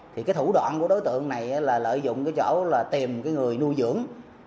thủ đoạn của đối tượng này là lợi dụng chỗ tìm người nuôi dưỡng